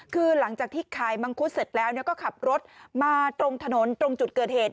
คือหลังจากที่ขายมังคุดเสร็จแล้วก็ขับรถมาตรงถนนตรงจุดเกิดเหตุ